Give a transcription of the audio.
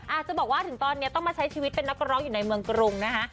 อาจจะบอกว่าถึงตอนนี้ต้องมาใช้ชีวิตเป็นนักร้องอยู่ในเมืองกรุงนะคะ